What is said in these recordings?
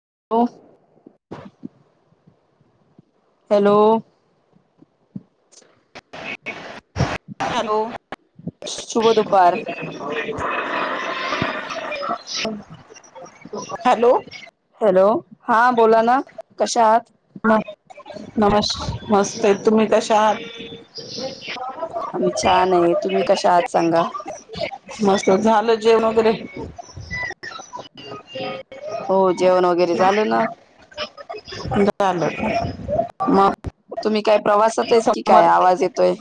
[unintelligible] Hello.. [inaudible] hello.. शुभ दुपार. [inaudible] Hello hello हा बोला ना कशा आहात? नमश मस्ते. तुम्ही कशा आहात? आम्ही छान आहे. तुम्ही कशा आहात सांगा? मस्त झालं जेवण वगैरे हो जेवण वगैरे झालं ना [unintelligible] तुम्ही काय प्रवासात आहेत कि काय समर आवाज येतोय.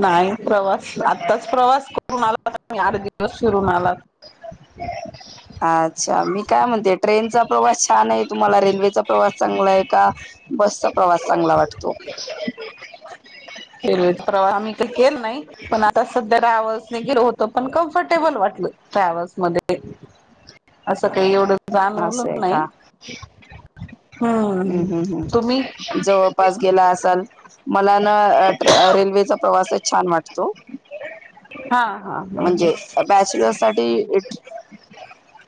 नाही - प्रवास आत्ताच प्रवास करून आला आठ दिवस फिरून आलात. अच्छा मी काय म्हणते. ते ट्रेनचा प्रवास छान आहे. तुम्हाला रेल्वेचा प्रवास चांगला आहे का? बसचा प्रवास चांगला वाटतो. [inaudible] [inaudible] रेल्वेत प्रवासं. आम्ही काय केलं नाही. पण आता सध्या गावासानी गेलो होतो. पण कम्फर्टेबल वाटलं. ट्रॅवल्स मध्ये असं काही एवढं असं जाणवलंच आहे नाही. का हम्म हम्म हम् जवळपास गेला असाल. मला ना अ ट्रे-रेल्वेचा प्रवासच छान वाटतो. हा.. हा म्हणजे बॅचलर साठी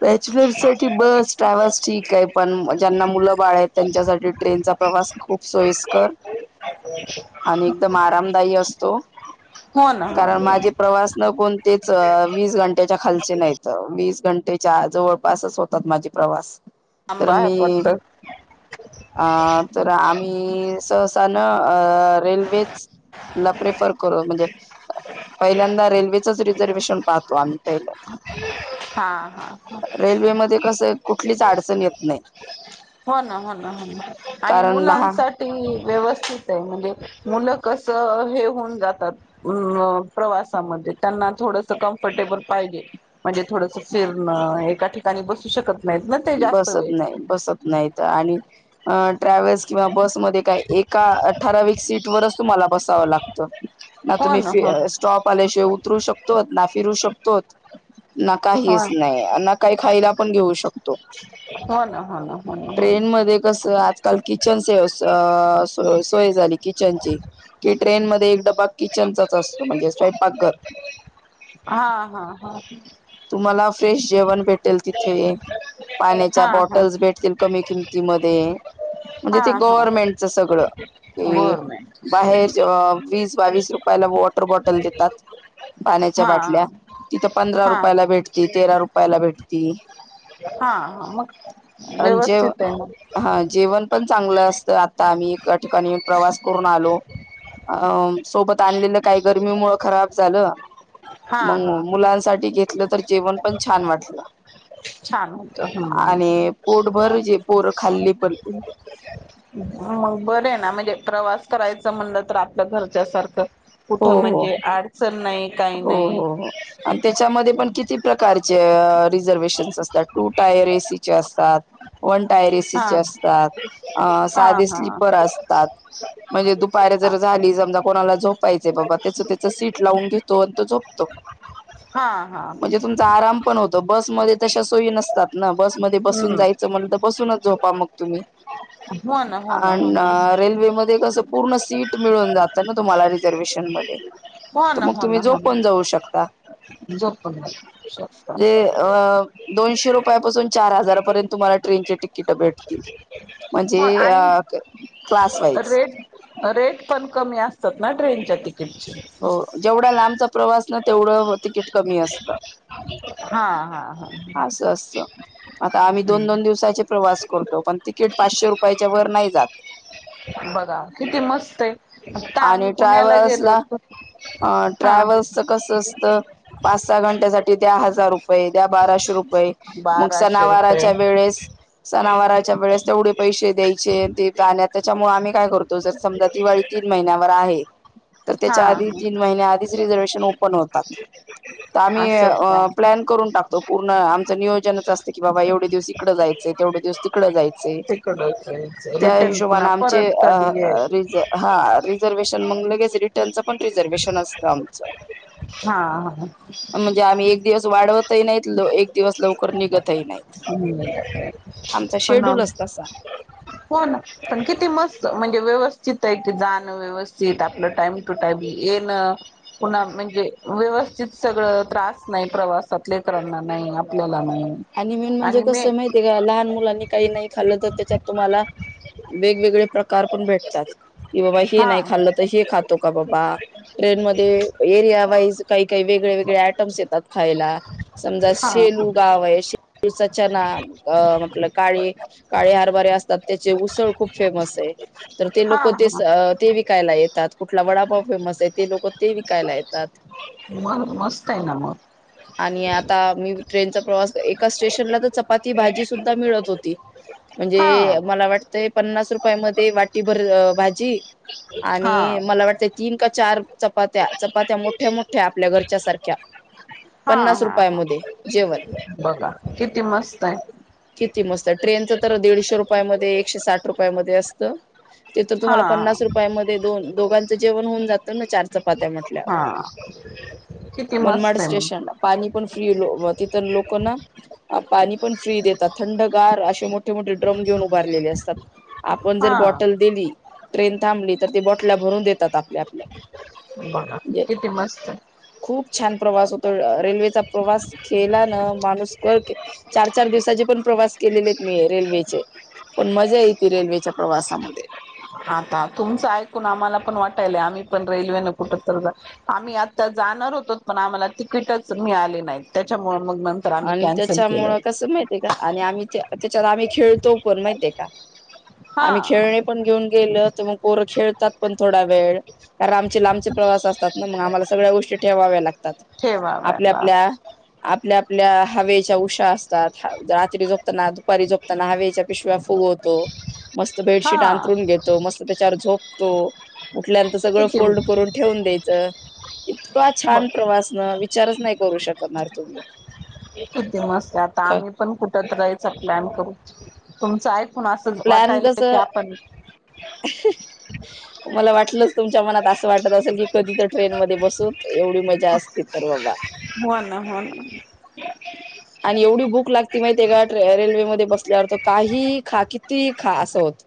बॅचलर साठी बरं. बस ट्रॅयव्हल्स ठीक आहे. पण ज्यांना मुलं बाळ आहेत. त्यांच्यासाठी ट्रेनचा प्रवास खूप सोयीस्कर - [inaudible] आणि एकदम आरामदायी असतो. हो ना हा कारण ना माझे प्रवास न कोण- वीस वीस घंटेच्या खालचे नाहीत. वीस घंटेच्या जवळपासच होतात माझे प्रवास. तर आंबा आहेत मी वाटतं अ-आ-तर आम्ही सहसाना- अ रेल्वे ला प्रेफर करू अ-म्हणजे पहिल्यांदा रेल्वे. रिझर्वे्शन पाहतो आम्ही पहिलं. हा हा रेल्वेमध्ये कस कुठलीच अडचण येत नाही. हो ना हो ना हो आणि कारण लहान मुलांसाठी व्यवस्थित आहे म्हणजे मूल कस हे होऊन जातात मं प्रवासामध्ये त्यांना थोडस क टेबल पाहिजे, म्हणजे थोडसं फिरण एका ठिकाणी बसू शकत नाहीत ना ते जास्त बसत वेळ नाही, बसत नाही, त आणि अ ट्रॅव्हल्स किंवा बसमध्ये काही, एका ठरावीक सीट वरच तुम्हाला बसावं लागतं. ना हो तुम्ही हो स्टॉप आल्याशिवाय उतरू शकतो ना फिरू शकतोत ना हो काहीच नाही ना काही खायला पण घेऊ शकतो. हो ना हो ना हो ना हो ना ट्रेन मध्ये कस आजकाल किचन से अस सोय झाली किचनची. की ट्रेन मध्ये एक डबा किचनचाच असतो, म्हणजे स्वयंपाकघर हा हा हा तुम्हाला फ्रेश जेवण भेट त्याल तिथे पाण्याच्या हा हा बॉटल्स भेटतील कमी किमती मदे म्हणजे हा ते हा गव्हर्मेंटच सगळ की गव्हर्मेंट बाहेर वीस बावीस रुपयाला रुपयाला वॉटर बॉटल देतात. पाण्याच्या हा बाटल्या तिथं पंधरा हा हा रुपयाला, भेटती तेरा रुपयाला भेटती. हा मग आणि जे व्यवस्थित आहे म. हा जेवण पण चांगलं असतं, आता आम्ही एका ठिकाणी प्रवास करून आलो. अ सोबत आणलेलं काही गर्मी मुळ खराब झालं. हा मग हा मुलांसाठी घेतलं तर जेवण पण छान वाटलं. छान होत हं! आणि पोटभर जे पोर खाल्ली पण बर ना मग प्रवास करायचं म्हणलं तर आपल्या घरच्या सारखं. हो कुठं हो म्हणजे अडचण नाही काही हो नाही हो हो आणि त्याच्यामध्ये पण किती प्रकारचे अ रिझर्वेशन्स असतात टू टायर एसीचे असतात वन टायर हा एसीचे असतात, अ हा साधे स्लीपर हा असतात. म्हणजे दुपारी जर झाली समजा कोणाला झोप पाहिजे बाबा, त्याच त्याच सीट लावून घेतो आणि तो झोपतो. हा हा म्हणजे तुमचा आराम पण होत. बसमध्ये तश्या सोयी नसतात ना. बस मध्ये बसून हम्म जायचं म्हटलं त, बसूनच झोपा मग तुम्ही. हो ना हो ना अ हो ना रेल्वे मध्ये कसं पूर्ण सीट मिळून जातं ना. तुम्हाला रिझर्वेशन हो त ना मग हो ना तुम्ही हो झोपुण ना जाऊ शकता. झोपून शकत अ दोनशे रुपयापासून चार हजारापर्यंत तुम्हाला ट्रेनचे तिकीट भेटतील म्हणजे हो अ आणि क्लास वाईज रेट रेट पण कमी असतात ना ट्रेनच्या तिक हो जेवढा लांबचा प्रवास ना, तेवढं तिकीट कमी असत. हा हा हा असं, असं, आता आम्ही दोन, हम्म. दोन, दिवसाचे प्रवास करतो, पण तिकीट पाचशे रुपयाच्या वर नाही. जात. बघा किती मस्त आहे. आता आणि आम्ही पुण्याला ट्रॅव्हल्स गेलो ला. होतो अ हा ट्रॅव्हल्सच कस असतं पाच सहा घंट्यासाठी त्या हज हजार रुपये द्या, बाराशे रुपये, मग बाराशे रुपये सनावारच्या वेळेस सनावराच्या वेळेस तेवढे पैसे द्यायचे, ते जाण्यात त्याच्यामुळे आम्ही काय करतो, जर समजा दिवाळी महिन्याभर आहे तर हा त्याच्या आधी हा तीन महिन्या आधीच रिझर्व्हेशन ओपन होतात. त आम्ही असं का प्लॅन करून टाकतो पूर्ण आमचं नियोजनच असतं की बाबा एवढं तेवढे दिवस इकडें जायचे तेवढे दिवस तिकडं जायचे. तिकडच त्या रिटर्न पुन्हा हिशोबाने आमचे परत अ कधी आहे रिज रिझर्व्हेशन मग लगेच रिटर्नचं पण रिझर्व्हेशन असतं आमचं हा हा म्हणजे आम्ही एक दिवस वाढवतही नाहीत एक दिवस लवकर निघत हम् आमचा पण शेड्यूलच तसा हो ना पण किती मस्त म्हज म्हणे व्यवस्थित आहे की जाणं व्यवस्थित आपलं टाइम टू टाईम येणं पुन्हा म्हणजे व्यवस्थित सगळं त्रास नाही प्रवासात लेकरांना नाही आपल्याला नाही आणि मेन म्हणजे कसं माहितीय आहे का लहान मुलांनी काही नाही खाल्लं तर त्याच्यात तुम्हाला वेगवेगळे प्रकार पण भेटतात कि बाबा हे हा नाही खाल्लं तर हे खातो का बाबा ट्रेन मध्ये एरिया वाईज काही काही वेगळे वेगळे आयटम्स येतात खायला समजा हा सेलू गाव तळसा च्या ना अ आपलं काळी काळे हरभारे असतात त्याचे उसळ खूप फेमस आहे तर ते हा लोक ते हा ते विकायला येतात कुठला वडापाव फेमस आहे ते लोक ते विकायला येतात मग मस्त आहे ना मग आणि आता मी ट्रेनचा प्रवास स्टेशनला तर चपाती भाजी सुद्धा मिळत होती हा म्हणजे मला वाटतय पन्नास पा रुपया मध्ये वाटी भर भाजी हा हा आणि मला वाटते तीन का चार चपात्या चपात्या मोठ्या मोठ्या आपल्या घरच्या सारख्या हा पन्नास हा ह रुपयामध्ये जेवण बघा किती मस्त आहे किती मस्त ट्रेनच तर दीडशे रुपयामध्ये एकशे साठ रुपया मधे असत ते तर तुम्हाला हा पन्नास रुपया मध्ये दोन दोघांचं जेवण होऊन जात चार चपात्या म्हटल्या हा किती मनमाड मस्त आहे मग स्टेशन पाणी पण फ्री तिथ लोक कोणा पाणी पण फ्री देतात थंडगार असे मोठे मोठे ड्रम घेऊन उभारलेले असतात आपण जर हा बॉटल दिली ट्रेन थांबली तर त बॉटलला भरून देत तात आपल्या आपल्याला बघा म्हणजे किती मस्त आहे. खूप छान प्रवास होतो रेल्वेचा प्रवास केलान चार चार दिवसाचे पण प्रवास केलेले आहेत मी रेल्वेचे पण मजा येते रेल्वेच्या प्रवासामध्ये आता तुमच ऐकून आम्हाला पण वाटायलाय आम्ही पण रेल्वेन कुठ तर आम्ही आता जाणार होतो पण आम्हाला तिकीटच मिळाली नाहीत त्याच्यामुळे मग नंतर आम्ही आणि कॅन्सल केलं त्याच्यामुळं कसं माहित आहे का आणि आम्ही त्याच्याला आम्ही खेळतो पण माहिितय का आम्ही हा खेळणे पण घेऊन गेलो तर मग पोर खेळतात पण थोडा वेळ कारण आमचे लांबचे प्रवास असतात ना मग आम्हाला सगळ्या गोष्टी ठेवाव्या लागतात आपल्या ठेवाव्याला आपल्या आपल्या आपल्या हवेच्या उषा असतात रात्री झोपताना दुपारी झोपताना हवेच्या पिशव्या फुगवतो मस्त बेडशीट हा अंतरून घेतो मस्त त्याच्यावर झोपतो उठल्यांत सगळं किती फोल्ड करून ठेवून द्यायचं इतका बघ छान प्रवास न विचारच नाही करू शकणार तुम्ही किती मस्त आता आम्ही पण कुठत राहायच प्लॅन करू तुमचं आहे प्लॅन कस मला वाट लं तुमच्या मनात असं वाटत असेल की कधी तर ट्रेन मध्ये बसू एवढी मजा असते तर बाबा हवा ना ह ना आणि एवढी भूक लागते माहि रेल्वे मध्ये बसल्यावर काही खा किती खा असं होत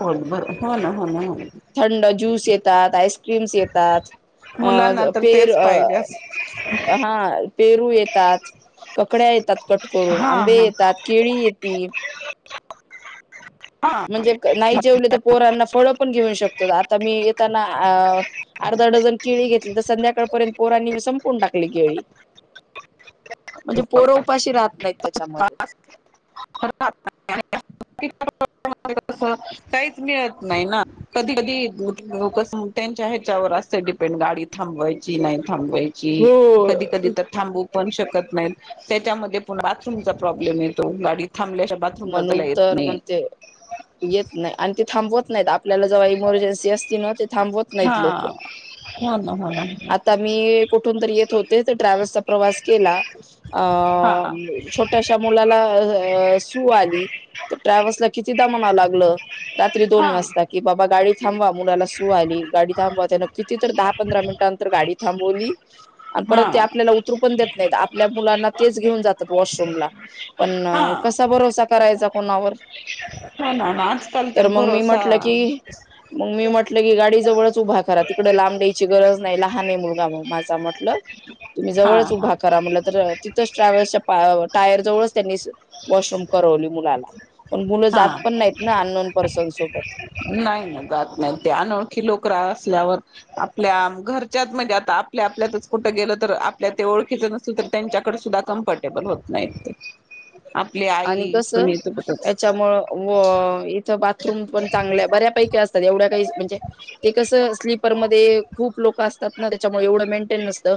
बोल बर हो ना हो ना हो ना थंड ज्यूस येतात क्रीम्स येतात मुलांना अ तर पेर तेच पाहिजे असं हा पेरू येतात ककड्या येतात कट करून हा आंबे हा येतात केळी येते हा म्हणजे नाही जेवले तर पोरांना फळ पण घेऊन शकतो आता मी येताना अर्धा डझन किळी घेतली तर संध्याकाळपर्यंत पोर संपूर्ण टाकले मी केळी म्हणजे पोरं उपाशी राहत नाहीत त्याच्यामध्येऽऽ [inaudible] स, काहीच मिळत नाही ना कधी, कधी कस त्यांच्या ह्याच्यावर असेऽऽ डिपेंड गाडी थबवायची, नाई थांबवाऽऽऽ थांबची हो कधी कधी तर थांबू पण शकत नाहीत,,, त्याच्यामध्येऽऽ ण बाथरूम चा प्रॉब्लेम येतो,, गाडीऽऽ म्हणून तर म्हणते.. येत नाही,, आणि ते थांबवत नाहीत,, आपल्याला जेव्हा इमर्जन्सी असती ना ते थांबवतऽऽ नाहीत लोकं,, हा हो ना हो ना आता मीऽऽ ठून तर ऐत होते तर ट्रॅव्हल चा प्रवास केला अंऽ हा अ ऽऽ छोट्याशा मुलाला अं हे. सू आली,, तर ट्रॅव्हल्लास कितीदा म्हणाव लागलं,, रात्री दोन हा वाजता,, की बाबा गाडीऽऽ थांबवा,, मुलाला सुू आली, गाडी थांबवा, त्यान किती तर दहा पंधरा मिनिटांानंतर गाडी थांबवलीऽऽ आणि परत हा ते आपल्याला उतरू पण देत नाहीतऽऽ आपल्या मुलांना तेच घेऊन जातात वॉशरूमला,,, पण हा कसऽऽ करायचा कोणावर,, हो ना आजकाल तर मग मी भरोसा म्हटलं की, मग मी म्हटलंऽऽ म्हटलं की गाडी जवळच उभा करा,, तिकडं लांब न्यायची गरज नाही लहान आहे, मुलगा माझा म्हटलंऽ तुम्ही हा जवळच हा उभा करा म्हटलं तर तिथंच ट्रॅव्हल्सच्या टायर जवळच त्यांनीऽऽ वॉशरूम करवली मुलाला,, पण मुलं जात हा पण नाहीत ना अननोन पर्सन सोबतऽऽ नाही ना, जात नाही ते, अनोळखी लोक असल्यावर आपल्यात, घरच्यात म्हणजे आताऽऽ आपल्या आपल्यातच कुठं गेलं तर आपल्या ते ओळखीच नसल तर त्यांच्याकडे सुद्धा कम्फर्टेबल होत नाही तेऽऽ आणि कस यांच्यामुळं, इथं बाथरूम पणऽऽ चांगल्या बऱ्यापैकी असतात, एवढ्या काही म्हणजे ते कसं, स्लीपरमध्येध्ये खूप लोक असतात ना त्याच्याऽऽ एवढं मेंटेन नसत,,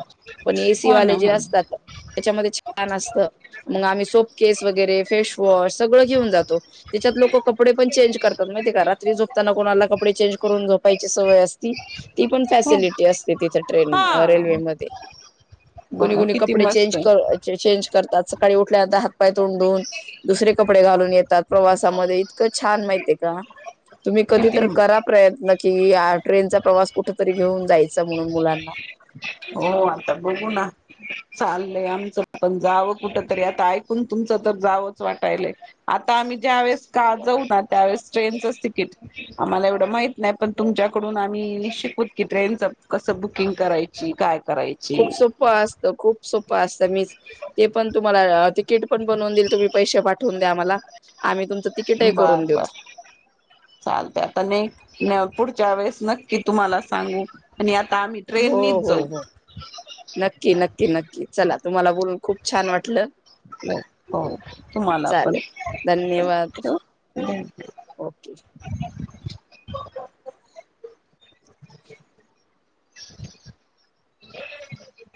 पण हो ना एसीवाले जे हो ना असतातऽऽ त्याच्यामध्ये छान असत,, मग आम्ही सोप केस वगैरेऽऽ फेशवॉश, सगळं घेऊन जातो त्याच्यात लोकं कपडे पण चेंज करतात माहितीये का रात्री झोपताना कोणाला कपडेऽऽ ंज करून जोपायची सवय असतीऽऽ ती पण हो फॅसिलिटी असते तिथं ट्रेन, हा रेल्वेमध्येऽऽ कोुणी बघा कोुणी किती कपडे मस्त चेंज, आहे चेंज करतात.. सकाळी उठल्याता हात पाय तोंड धुवून दुसरे कपडे घालून येतात प्रवासामध्येऽऽ छान माहिित आहे का? तुम्ही कधी तर किती करा प्रयत्न कि ट्रेनचा प्रवास कुठ तरी घेऊन जायऽऽ हो, आता बघू ना. चाललंय आमच पण जावं कुठ तरी आता ऐकून,, तुमचं तर जावंच वाटायलाय,, आता आमऽऽ ज्या वेळेस जाऊ ना त्यावेळेस ट्रेनचच तिकीट आम्हाला एवढ माहित नाही पण तुमच्याकडून आऽऽ मी निश्चिक होत की ट्रेनच कसं बुकिंग करायची कायऽ? खूप सोपं असत, खूप सोप असतं, मीऽ ते पण तुऽऽ ला तीकीट पण बनवून दिले, तुम्ही पैशे पाठवून द्या आम्हाला, आम्ही तुमऽऽऽ बर, बर, चालतय आता न, न. पुढच्या वेळेस नक्की तुम्हाला सांगू,, आणि आऽऽ हो, हो, हो, नक्की, नक्की, नक्की चला तुम्हाला बोलूनऽऽ खूप छान वाटलं,, हो तुम्हाला पण चालेल,, धन्यवाद.. ठेवू ओके.